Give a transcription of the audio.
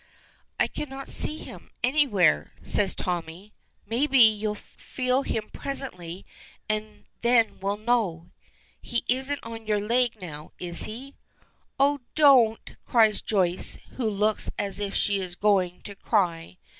"I can't see him anywhere," says Tommy. "Maybe you'll feel him presently, and then we'll know. He isn't on your leg now, is he?" "Oh! don't!" cries Joyce, who looks as if she is going, to cry.